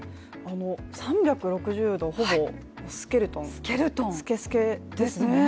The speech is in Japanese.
３６０度、ほぼスケルトン、透け透けですね。